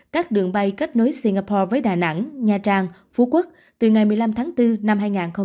các đường bay kết nối singapore với đà nẵng nha trang phú quốc từ ngày một mươi năm tháng bốn năm hai nghìn hai mươi